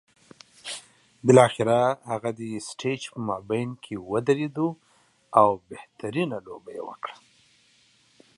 Instead, he occupied centre-stage and performed brilliantly.